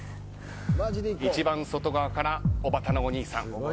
一番外側からおばたのお兄さん。